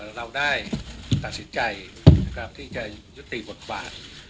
เราได้ตัดสินใจที่จะยุติบทบาท